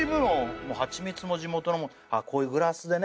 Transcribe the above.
ハチミツも地元のこういうグラスでね。